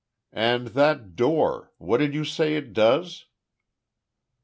"And that door what did you say it does?"